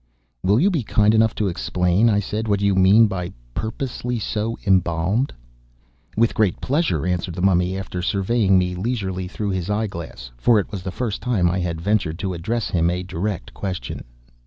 "Will you be kind enough to explain," I said, "what you mean by 'purposely so embalmed'?" "With great pleasure!" answered the Mummy, after surveying me leisurely through his eye glass—for it was the first time I had ventured to address him a direct question.